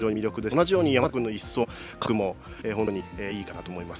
同じように山縣君の１走の加速も本当にいいかなと思います。